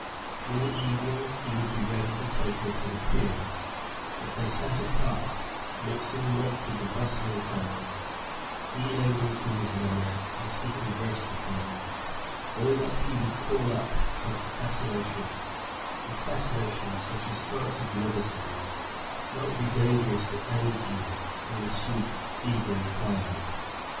In the evening he would be ready to take her to the pier, but they sat apart, mixing not with the bustling crowd he lending to his manner, as he conversed with her, all that he would call up of fascination and fascination, such as Francis Levison's, might be dangerous to any ear, in the sweet evening twilight.